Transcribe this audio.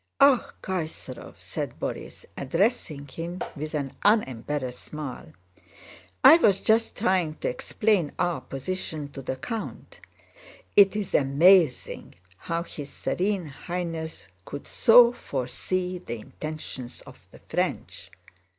"Ah, Kaysárov!" said Borís, addressing him with an unembarrassed smile, "I was just trying to explain our position to the count. It is amazing how his Serene Highness could so foresee the intentions of the French!"